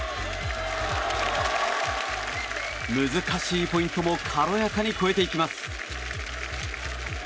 難しいポイントも軽やかに越えていきます。